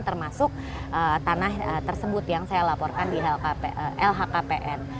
termasuk tanah tersebut yang saya laporkan di lhkpn